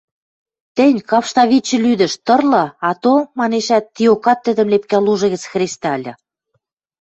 – Тӹнь, кавштавичӹ лӱдӹш, тырлы, ато!.. – манешӓт, тиокат тӹдӹм лепкӓ лужы гӹц хрестӓ ыльы